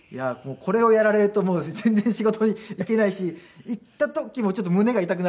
これをやられると全然仕事に行けないし行った時もちょっと胸が痛くなるんですよね。